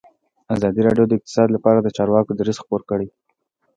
ازادي راډیو د اقتصاد لپاره د چارواکو دریځ خپور کړی.